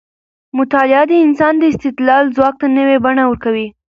مطالعه د انسان د استدلال ځواک ته نوې بڼه ورکوي.